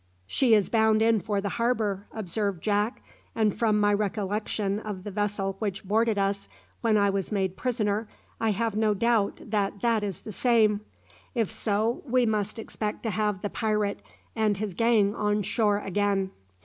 "She is bound in for the harbour," observed Jack, "and from my recollection of the vessel which boarded us when I was made prisoner, I have no doubt that that is the same. If so, we must expect to have the pirate and his gang on shore again."